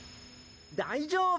大丈夫！